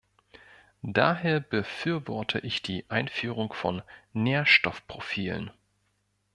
Daher befürworte ich die Einführung von Nährstoffprofilen.